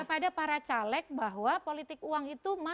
karena itu mereka erat nipunya